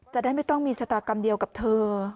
จะได้ไม่ต้องมีชะตากรรมเดียวกับเธอ